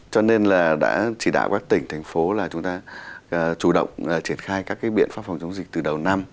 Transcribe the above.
cho nên là đã chỉ đạo các tỉnh thành phố là chúng ta chủ động triển khai các biện pháp phòng chống dịch từ đầu năm